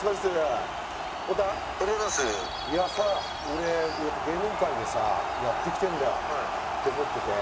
俺やっぱ芸能界でさやっていきたいんだよ。って思ってて。